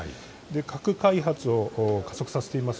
核開発を加速させています